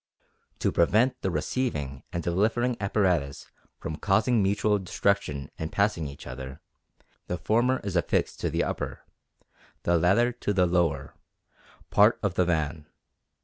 To prevent the receiving and delivering apparatus from causing mutual destruction in passing each other, the former is affixed to the upper, the latter to the lower, part of the van.